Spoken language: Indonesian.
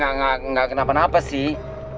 ya gak kenapa napa sih